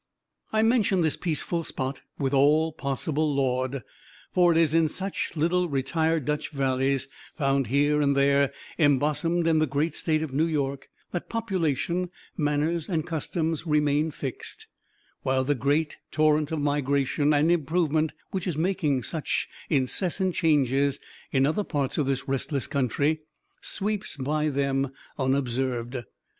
I mention this peaceful spot with all possible laud; for it is in such little retired Dutch valleys, found here and there embosomed in the great State of New York, that population, manners and customs remain fixed, while the great torrent of migration and improvement, which is making such incessant changes in other parts of this restless country, sweeps by them unobserved.